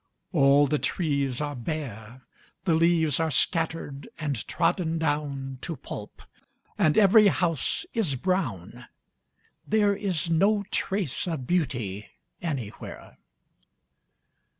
All the trees are bare, The leaves are scattered and trodden down To pulp; and every house is brown^ There is no trace of beauty anywhere.